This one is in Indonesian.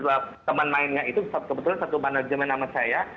apa teman mainnya itu kebetulan satu manajemen nama saya